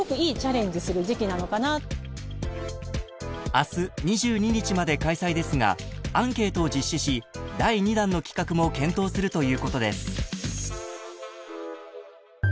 ［明日２２日まで開催ですがアンケートを実施し第２弾の企画も検討するということです］